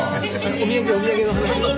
お土産お土産の話。